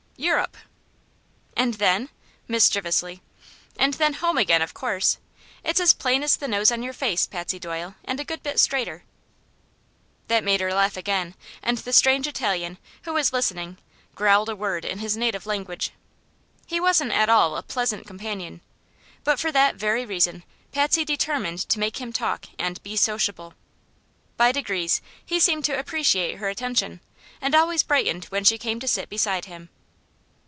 "Eu rope." "And then?" mischievously. "And then home again, of course. It's as plain as the nose on your face, Patsy Doyle, and a good bit straighter." That made her laugh again, and the strange Italian, who was listening, growled a word in his native language. He wasn't at all a pleasant companion, but for that very reason Patsy determined to make him talk and "be sociable." By degrees he seemed to appreciate her attention, and always brightened when she came to sit beside him.